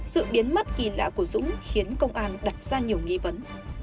sự biến mất kỳ lạ của dũng khiến công an đặt ra nhiều nghi vấn